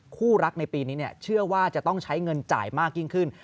คู่รักในปีนี้เชื่อว่าจะต้องใช้เงินจ่ายมากยิ่งขึ้น